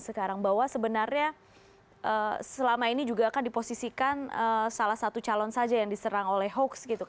sekarang bahwa sebenarnya selama ini juga akan diposisikan salah satu calon saja yang diserang oleh hoax gitu